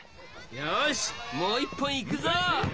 よしもう一本いくぞ！